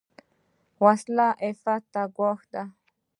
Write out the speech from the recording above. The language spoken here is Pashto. وسله عفت ته ګواښ ده